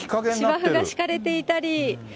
芝生が敷かれていたり。